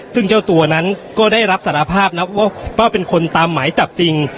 ซึ่งเจ้าตัวนั้นก็ได้รับสารภาพนะว่าเป็นคนตามหมายจับจริง